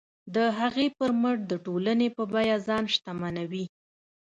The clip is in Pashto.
د هغې پر مټ د ټولنې په بیه ځان شتمنوي.